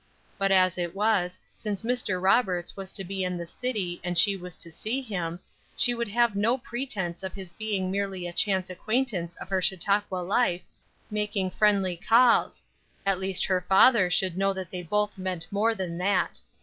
But as it was, since Mr. Roberts was to be in the city and she was to see him, she would have no pretense of his being merely a chance acquaintance of her Chautauqua life, making friendly calls; at least her father should know that they both meant more than that.